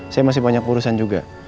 saya masih banyak urusan juga